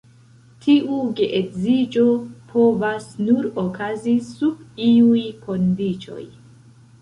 Tiu geedziĝo povas nur okazi sub iuj kondiĉoj.